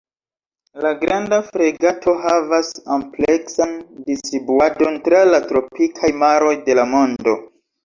La Granda fregato havas ampleksan distribuadon tra la tropikaj maroj de la mondo.